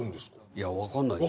いや分かんないです。